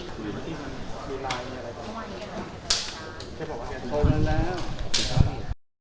โปรดติดตามตอนต่อไป